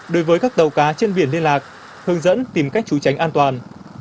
đối với các tàu cá trên biển liên lạc hướng dẫn tìm cách trú tránh an toàn